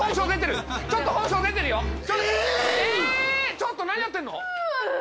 ちょっと何やってんの⁉うぅ！